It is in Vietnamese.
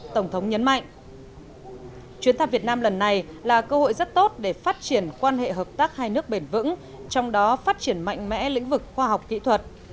tổng thống nhấn mạnh chuyến thăm việt nam lần này là cơ hội rất tốt để phát triển quan hệ hợp tác hai nước bền vững trong đó phát triển mạnh mẽ lĩnh vực khoa học kỹ thuật